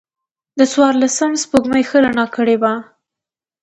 د څوارلسمم سپوږمۍ ښه رڼا کړې وه.